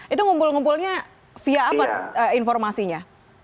itu ngumpul ngumpulnya via apa informasinya